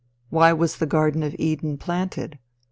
Why was the garden of Eden planted?